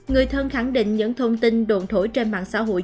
người thân khẳng định những thông tin đồn thổi trên mạng xã hội